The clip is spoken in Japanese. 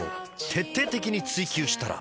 徹底的に追求したら‼